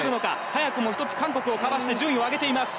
早くも１つ韓国をかわして順位を上げています。